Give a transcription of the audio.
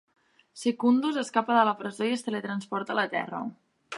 Secundus escapa de la presó i es teletransporta a la Terra.